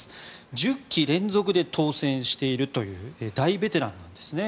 １０期連続で当選しているという大ベテランなんですね。